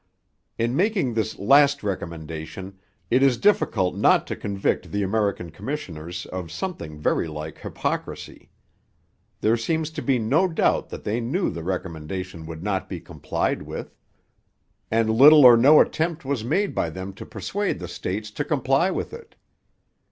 In making this last recommendation, it is difficult not to convict the American commissioners of something very like hypocrisy. There seems to be no doubt that they knew the recommendation would not be complied with; and little or no attempt was made by them to persuade the states to comply with it.